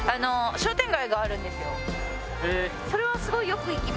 商店街。